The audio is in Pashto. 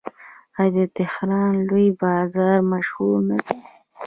آیا د تهران لوی بازار مشهور نه دی؟